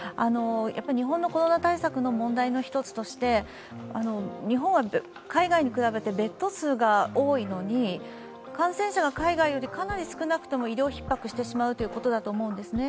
日本のコロナ対策の問題の一つとして日本は海外に比べてベッド数が多いのに、感染者が海外よりかなり少なくても医療ひっ迫してしまうということだと思うんですね。